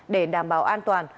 để đảm bảo an toàn